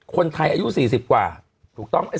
คนไทยอายุสี่สิบกว่าถูกต้องไหม